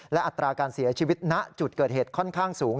และอัตราการเสียชีวิตณจุดเกิดเหตุค่อนข้างสูง